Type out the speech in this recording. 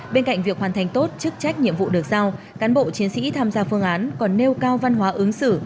bên cạnh việc hoàn thành tốt chức trách nhiệm vụ được giao cán bộ chiến sĩ tham gia phương án còn nêu cao văn hóa ứng xử